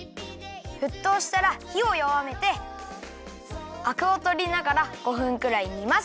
ふっとうしたらひをよわめてアクをとりながら５分くらいにます。